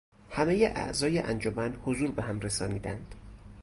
همهٔ اعضای انجمن حضور بهم رسانیدند.